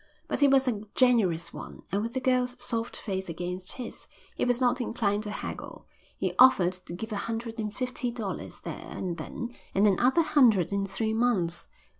But he was a generous one, and with the girl's soft face against his, he was not inclined to haggle. He offered to give a hundred and fifty dollars there and then and another hundred in three months.